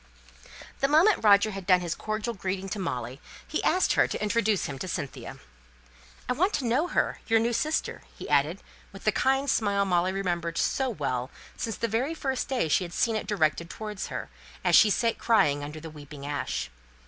The moment Roger had done his cordial greeting to Molly, he asked her to introduce him to Cynthia. [Illustration: ROGER IS INTRODUCED AND ENSLAVED.] "I want to know her your new sister," he added, with the kind smile Molly remembered so well since the very first day she had seen it directed towards her, as she sate crying under the weeping ash.